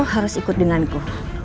kau harus ikut denganku